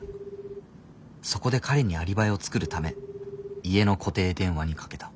そこで彼にアリバイを作るため家の固定電話にかけた。